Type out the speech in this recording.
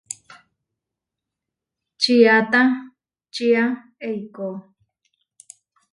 Čiata čiá eikó.